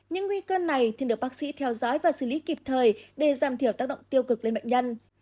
những nguy cơ này thường được bác sĩ theo dõi và xử lý kịp thời để giảm thiểu tác động tiêu cực lên bệnh nhân